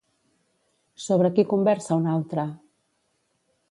Sobre qui conversa un altre?